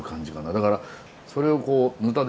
だからそれをこうヌタで頂くという。